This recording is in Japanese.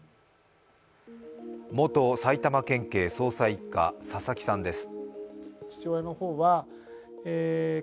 元埼玉県警捜査一課佐々木さんです。